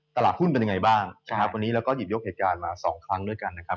ตลาดหุ้นเป็นยังไงบ้างนะครับวันนี้เราก็หยิบยกเหตุการณ์มาสองครั้งด้วยกันนะครับ